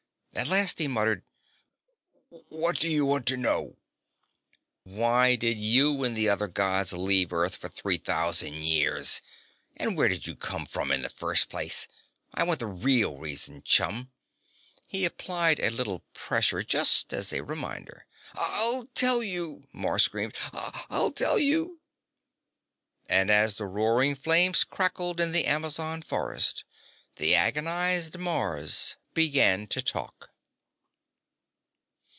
At last he muttered: "What do you want to know?" "Why did you and the other Gods leave Earth for three thousand years? And where did you come from in the first place? I want the real reason, chum." He applied a little pressure, just as a reminder. "I'll tell you!" Mars screamed. "I'll tell you!" And as the roaring flames crackled in the Amazon forest, the agonized Mars began to talk.